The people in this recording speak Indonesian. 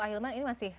ahilman ini masih